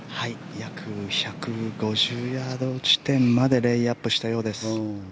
約１５０ヤード地点までレイアップしたようです。